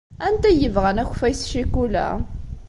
Anta ay yebɣan akeffay s ccikula?